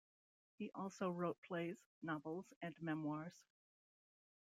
He also wrote plays, novels and memoirs.